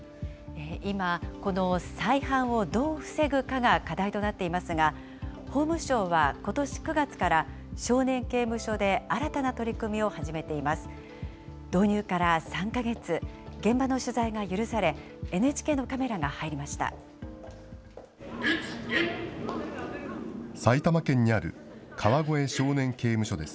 今、この再犯をどう防ぐかが課題となっていますが、法務省はことし９月から、少年刑務所で新たな取り組みを始めています。